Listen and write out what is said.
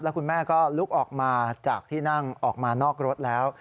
คุณแม่ก็ลุกออกมาจากที่นั่งออกมานอกรถแล้ว